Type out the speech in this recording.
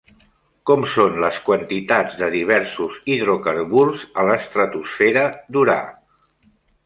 Com són les quantitats de diversos hidrocarburs a l'estratosfera d'Urà?